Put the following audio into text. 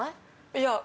いや